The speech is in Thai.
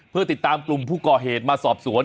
เพื่อติดตามกลุ่มผู้ก่อเหตุมาสอบสวน